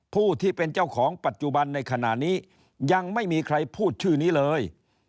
ผู้ที่เป็นเจ้าของปัจจุบันในขณะนี้ยังไม่มีใครพูดชื่อนี้เลย